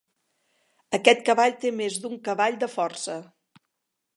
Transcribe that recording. Aquest cavall té més d'un cavall de força.